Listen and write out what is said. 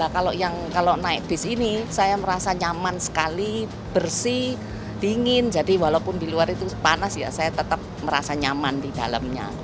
kalau naik bis ini saya merasa nyaman sekali bersih dingin jadi walaupun di luar itu panas ya saya tetap merasa nyaman di dalamnya